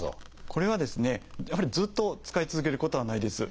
これはですねやはりずっと使い続けることはないです。